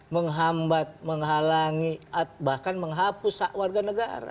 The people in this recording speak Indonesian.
menghambat menghalangi bahkan menghapus hak warga negara